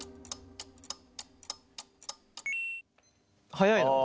早いな。